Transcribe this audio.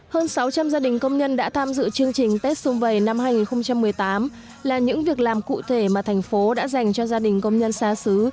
hơn sáu trăm linh gia đình công nhân đã tham dự chương trình tết xung vầy năm hai nghìn một mươi tám là những việc làm cụ thể mà thành phố đã dành cho gia đình công nhân xa xứ